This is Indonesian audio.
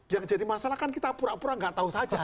yang jadi masalah kan kita pura pura nggak tahu saja